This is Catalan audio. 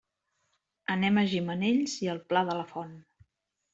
Anem a Gimenells i el Pla de la Font.